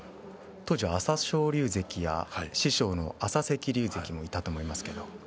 当時は朝青龍関や師匠の朝赤龍関もいたと思いますか。